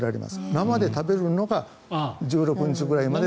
生で食べるのが１６日くらいまで。